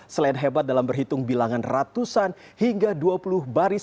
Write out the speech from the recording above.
selain hebat dalam berhitung bilangan ratusan hingga dua puluh baris